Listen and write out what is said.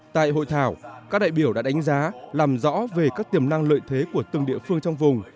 tại hội thảo các đại biểu đã đánh giá làm rõ về các tiềm năng lợi thế của từng địa phương trong vùng